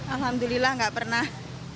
alhamdulillah enggak pernah